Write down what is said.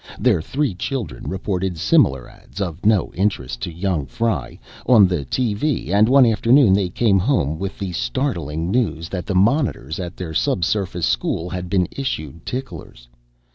Their three children reported similar ads, of no interest to young fry, on the TV and one afternoon they came home with the startling news that the monitors at their subsurface school had been issued ticklers.